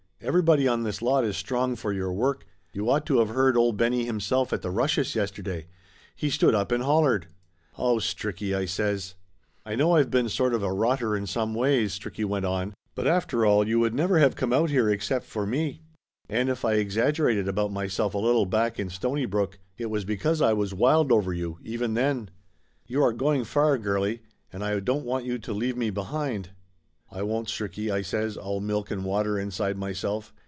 Everybody on this lot is strong for your work. You ought to of heard old Benny himself at the rushes yesterday. He stood up and hollered." "Oh, Stricky!" I says. "I know I've been a sort of a rotter in some ways," Stricky went on, "but after all, you would never have 172 Laughter Limited come out here except for me. And if I exaggerated about myself a little back in Stonybrook, it was because I was wild over you, even then. You are going far, girlie, and I don't want you to leave me behind." "I won't, Stricky," I says, all milk and water inside myself.